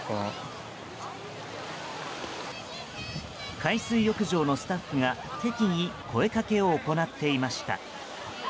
海水浴場のスタッフが適宜、声掛けを行っていました。